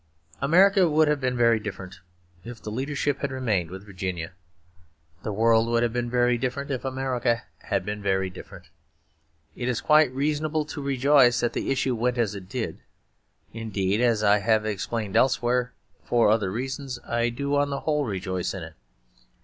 America would have been very different if the leadership had remained with Virginia. The world would have been very different if America had been very different. It is quite reasonable to rejoice that the issue went as it did; indeed, as I have explained elsewhere, for other reasons I do on the whole rejoice in it.